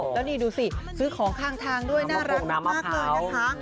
แล้วนี่ดูสิซื้อของข้างทางด้วยน่ารักมากเลยนะคะ